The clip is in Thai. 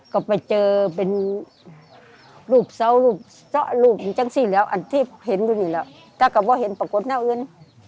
ก็ไปเจอเป็นรูปเสารูปเสารูปอย่างจังสิแล้วอันที่เห็นอยู่นี่แหละก็ก็เห็นปรากฏแนวอื่น